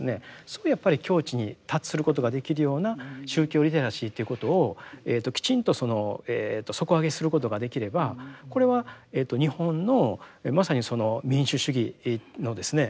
そういうやっぱり境地に達することができるような宗教リテラシーということをきちんと底上げすることができればこれは日本のまさにその民主主義のですね